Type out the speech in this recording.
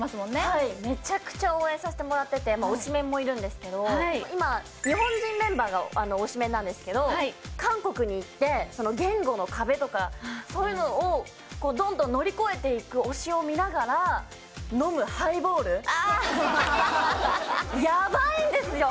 はいめちゃくちゃ応援させてもらってて推しメンもいるんですけど今日本人メンバーが推しメンなんですけど韓国に行って言語の壁とかそういうのをどんどん乗り越えていく推しを見ながらヤバいんですよ！